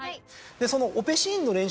そのオペシーンの。